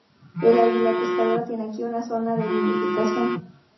El águila pescadora tiene aquí una zona de nidificación.